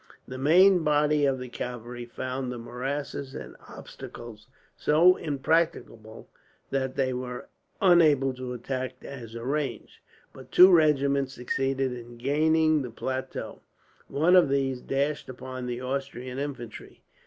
The main body of the cavalry found the morasses and obstacles so impracticable that they were unable to attack as arranged, but two regiments succeeded in gaining the plateau. One of these dashed upon the Austrian infantry.